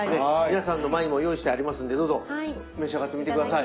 皆さんの前にも用意してありますんでどうぞ召し上がってみて下さい。